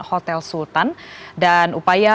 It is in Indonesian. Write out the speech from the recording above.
hotel sultan dan upaya